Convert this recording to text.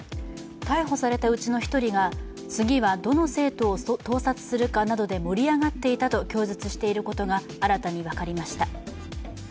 逮捕されたうちの１人が、次はどの生徒を盗撮するかなどで盛り上がっていたと供述していることが新たに分かりました。